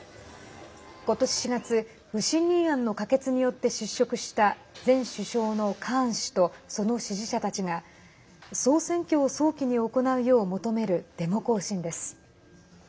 今年４月不信任案の可決によって失職した前首相のカーン氏とその支持者たちが総選挙を早期に行うよう求めるデモ行進です。